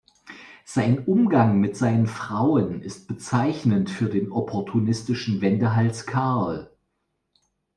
Sein Umgang mit seinen Frauen ist bezeichnend für den opportunistischen Wendehals Karl.